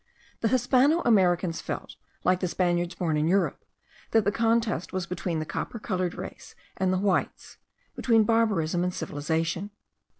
The Hispano Americans felt, like the Spaniards born in Europe, that the contest was between the copper coloured race and the whites; between barbarism and civilization.